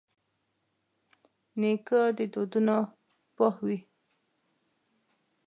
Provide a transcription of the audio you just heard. نیکه د دودونو پوه وي.